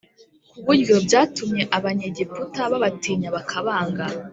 ku buryo byatumye Abanyegiputa babatinya bakabanga